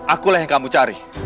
akulah yang kamu cari